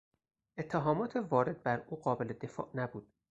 اتهامات وارد بر او قابل دفاع نبود.